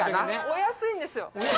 お安いんですよ。